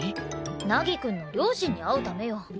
凪くんの両親に会うためよ。